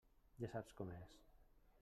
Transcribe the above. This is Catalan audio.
Ja saps com és.